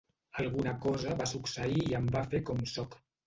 Alguna cosa va succeir i em va fer com sóc.